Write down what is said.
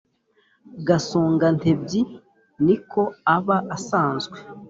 gasongantebyi ni ko aba asanzwe